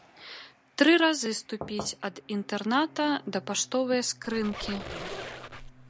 Тры разы ступіць ад інтэрната да паштовае скрынкі.